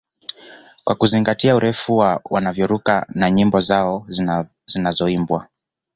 Kwa kuzingatia urefu wa wanavyoruka na nyimbo zao zinazoimbwa